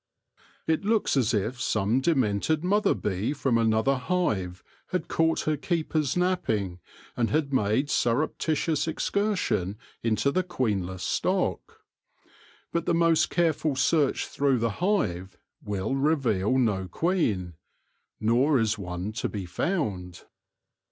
It looks as if some de mented mother bee from another hive had ca ight her keepers napping, and had made surreptitious excursion into the queenless stock. But the most careful search through the hive will reveal no queen, nor is one to be found.